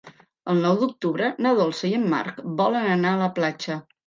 El nou d'octubre na Dolça i en Marc volen anar a la platja.